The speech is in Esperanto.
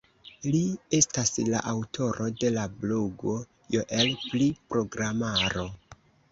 Li estas la aŭtoro de la blogo "Joel pri Programaro".